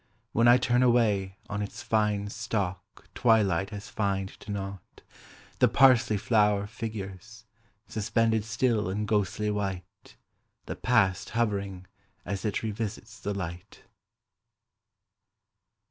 When I turn away, on its fine stalk Twilight has fined to naught, the parsley flower Figures, suspended still and ghostly white, The past hovering as it revisits the light.